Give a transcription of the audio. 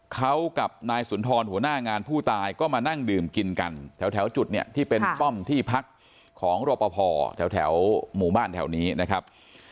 เขากับนายสุนทรหัวหน้างานผู้ตายก็มานั่งดื่มกินกันแถวจุดเนี่ยที่เป็นป้อมที่พักของรอปภแถวหมู่บ้านแถวนี้นะครับ